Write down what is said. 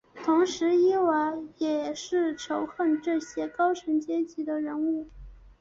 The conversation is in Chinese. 同时伊娃也很仇恨这些高层阶级的人物。